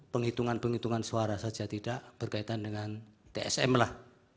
penghitungan penghitungan suara saja tidak berkaitan dengan tsm lah